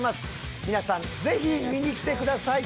皆さんぜひ見に来てください。